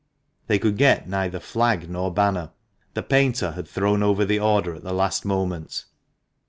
They could get neither flag nor banner ; the painter had thrown over the order at the last moment.